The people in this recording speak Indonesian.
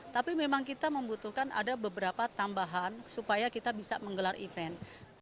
tapi memang kita membutuhkan ada beberapa tambahan supaya kita bisa menggelar event